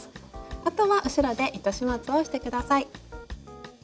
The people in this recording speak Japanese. あとは後ろで糸始末をして下さい。